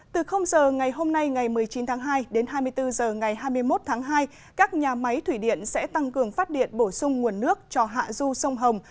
từ giờ ngày hôm nay ngày một mươi chín tháng hai đến hai mươi bốn h ngày hai mươi một tháng hai các nhà máy thủy điện sẽ tăng cường phát điện bổ sung nguồn nước cho hạ du sông hồng